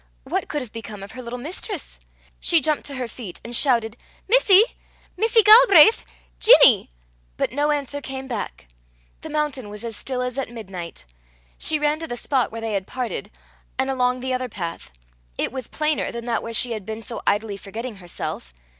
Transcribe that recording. what could have become of her little mistress? She jumped to her feet, and shouted "Missie! Missie Galbraith! Ginny!" but no answer came back. The mountain was as still as at midnight. She ran to the spot where they had parted, and along the other path: it was plainer than that where she had been so idly forgetting herself.